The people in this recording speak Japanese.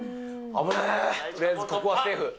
とりあえずここはセーフ。